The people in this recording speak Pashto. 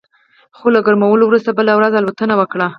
خو له ګرمولو وروسته بله ورځ الوتنه وکړه